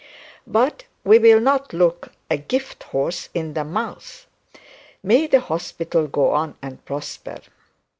But we will not now look a gift horse in the mouth. May the hospital go on and prosper!